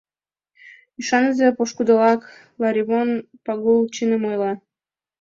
— Ӱшаныза, пошкудолак, Ларивон Пагул чыным ойла!